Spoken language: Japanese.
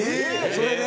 それで？